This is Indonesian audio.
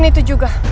selain itu juga